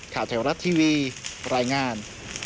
แถวรัฐทีวีรายงาน